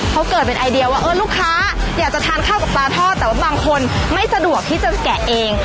เขาเกิดเป็นไอเดียว่าเออลูกค้าอยากจะทานข้าวกับปลาทอดแต่ว่าบางคนไม่สะดวกที่จะแกะเอง